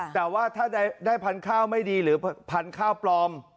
แต่ว่าถ้าได้พันธุ์ข้าวไม่ดีหรือพันธุ์ข้าวปลอม